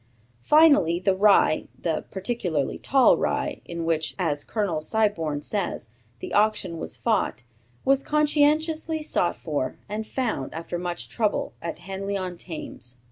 Finally the rye, the 'particularly tall rye' in which, as Colonel Siborne says, the action was fought, was conscientiously sought for, and found, after much trouble, at Henly on Thames."